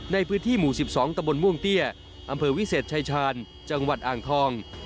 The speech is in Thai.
ในพื้นที่หมู่๑๒ตะบนม่วงเตี้ยอำเภอวิเศษชายชาญจังหวัดอ่างทอง